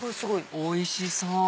おいしそう！